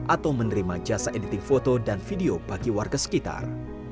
atau menerima jasa editing foto dan video bagi warga sekitar